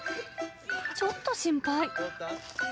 ちょっと心配。